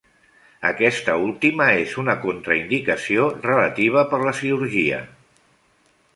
Aquesta última és una contraindicació relativa per la cirurgia.